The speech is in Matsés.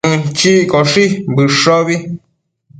Mënchiccoshi bëshobi